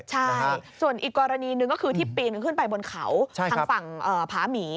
ใช่ส่วนอีกกรณีหนึ่งก็คือที่ปีนขึ้นไปบนเขาทางฝั่งผาหมี